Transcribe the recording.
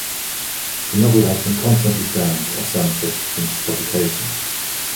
The novel has been constantly banned or censored since its publication.